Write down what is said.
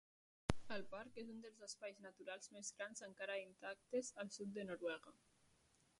El parc és un dels espais naturals més grans encara intactes al sud de Noruega.